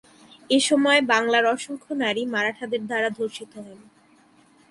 এসময় বাংলার অসংখ্য নারী মারাঠাদের দ্বারা ধর্ষিত হন।